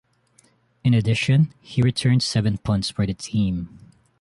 In addition, he returned seven punts for the team.